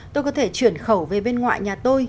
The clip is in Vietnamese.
tôi có thể chuyển khẩu về bên ngoại nhà tôi